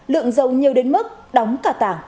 lượng dầu nhiều đến mức đóng cả tảng